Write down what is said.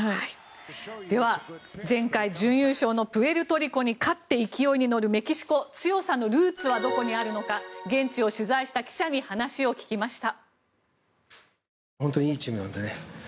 では、前回準優勝のプエルトリコに勝って勢いに乗るメキシコ強さのルーツはどこにあるのか現地を取材した記者に話を聞きました。